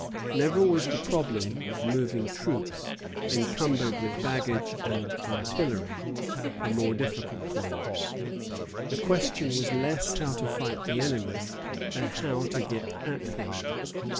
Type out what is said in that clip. Never was the problem of moving troops, encumbered with baggage and artillery, a more difficult one. The question was less how to fight the enemy than how to get at him.